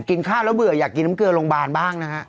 กินข้าวแล้วเบื่ออยากกินน้ำเกลือโรงพยาบาลบ้างนะฮะ